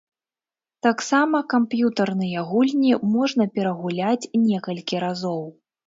Таксама камп'ютарныя гульні можна перагуляць некалькі разоў.